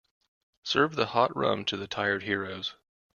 Serve the hot rum to the tired heroes.